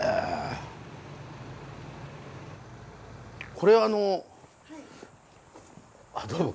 これあのあどうも。